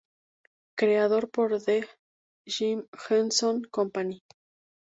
Creado por The Jim Henson Company.